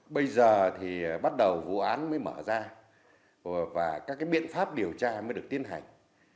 bây giờ thì bắt đầu vụ án mới mở ra và các biện pháp điều tra mới được tiến hành